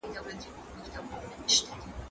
کتابونه د زده کوونکو له خوا لوستل کيږي،